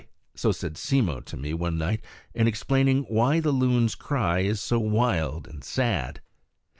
So said Simmo to me one night in explaining why the loon's cry is so wild and sad.